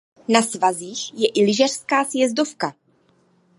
Na svazích je i lyžařská sjezdovka.